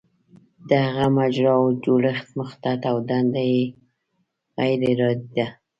د هغه د مجراوو جوړښت مخطط او دنده یې غیر ارادي ده.